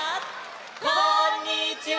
こんにちは！